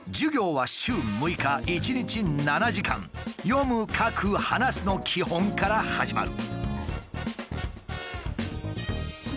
読む書く話すの基本から始まる。